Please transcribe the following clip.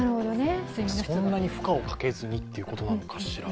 そんなに負荷をかけずにということかしら？